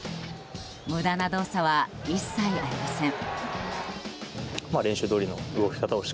無駄な動作は一切ありません。